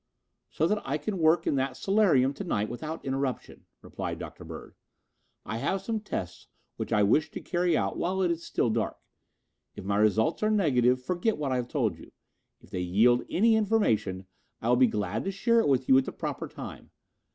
"So that I can work in that solarium to night without interruption," replied Dr. Bird. "I have some tests which I wish to carry out while it is still dark. If my results are negative, forget what I have told you. If they yield any information, I will be glad to share it with you at the proper time.